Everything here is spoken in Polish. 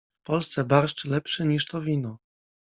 W Polsce barszcz lepszy niż to wino.